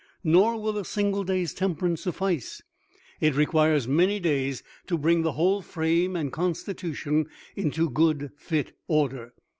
Nor will a single day's temperance suffice. It requires many days to bring the whole frame and constitution into good fit order.